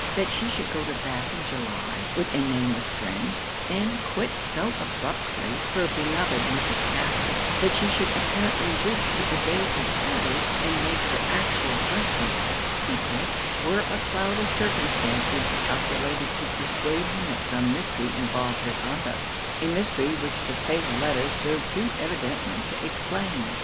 That she should go to Bath in July, with a nameless friend, and quit so abruptly her beloved Mrs. Stafford that she should apparently wish to evade his letters, and make her actual residence a secret were a cloud of circumstances calculated to persuade him that some mystery involved her conduct; a mystery which the fatal letter served too evidently to explain.